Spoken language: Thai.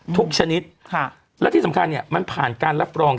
ชนิดและที่สำคัญเนี่ยมันผ่านการรับรอง